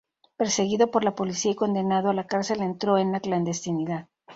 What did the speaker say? Perseguido por la policía y condenado a la cárcel, entró en la clandestinidad.